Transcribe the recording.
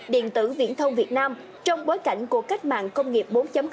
điện tử viễn thông việt nam trong bối cảnh của cách mạng công nghiệp bốn